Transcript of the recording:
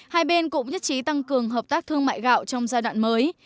hai bên cũng nhất trí tăng cường hợp tác thương mại gạo trong giai đoạn mới